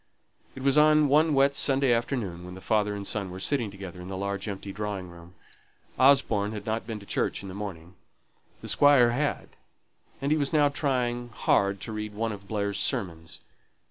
It was on one wet Sunday afternoon, when the father and son were sitting together in the large empty drawing room. Osborne had not been to church in the morning; the Squire had, and he was now trying hard to read one of Blair's sermons.